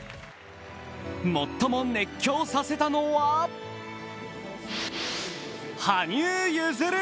最も熱狂させたのは、羽生結弦。